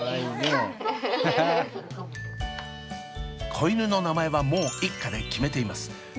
子犬の名前はもう一家で決めています。